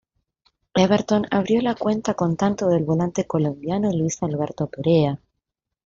Everton abrió la cuenta con tanto del volante colombiano Luis Alberto Perea.